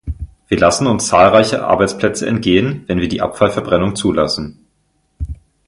Wir lassen uns zahlreiche Arbeitsplätze entgehen, wenn wir die Abfallverbrennung zulassen.